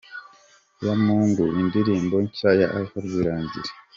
Yamungu, indirimbo nshya ya Alpha Rwirangira.